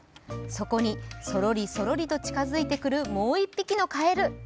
そこに、そろりそろりと近づいてくるもう１匹のカエル。